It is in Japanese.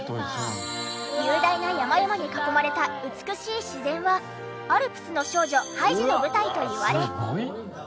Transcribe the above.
雄大な山々に囲まれた美しい自然は『アルプスの少女ハイジ』の舞台といわれ。